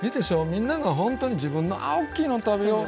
みんながほんとに自分のあっおっきいの食べよう。